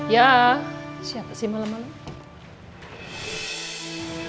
ya siapa sih malem malem